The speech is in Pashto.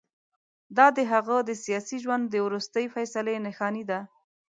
دا د هغه د سیاسي ژوند د وروستۍ فیصلې نښانې دي.